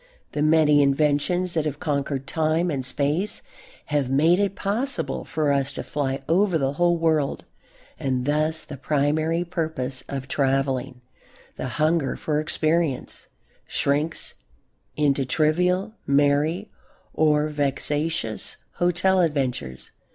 The many inventions that have conquered time and space have made it possible for us to fly over the whole world, and thus the primary purpose of travelling, the hunger for experience, shrinks into trivial, merry or vexatious hotel adventures.